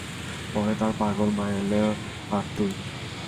পরে তার পাগল মা এলো আর তুই।